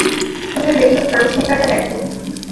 তুমি রেডিও ট্রান্সমিটারটা দেখ।